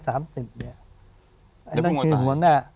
นั่งคืนหัวหน้า